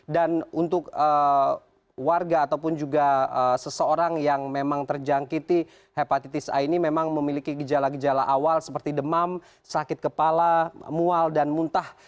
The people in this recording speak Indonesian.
dan untuk warga atau seseorang yang memang terjangkiti hepatitis a ini memang memiliki gejala gejala awal seperti demam sakit kepala mual dan muntah